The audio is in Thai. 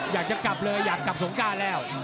อยากจะกลับเลยอยากกลับสงการแล้ว